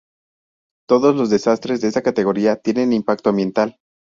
Todos los desastres de esta categoría tienen Impacto ambiental.